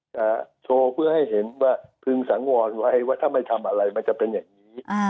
จะโชว์เพื่อให้เห็นว่าพึงสังวรไว้ว่าถ้าไม่ทำอะไรมันจะเป็นอย่างนี้